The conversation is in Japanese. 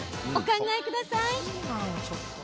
お考えください。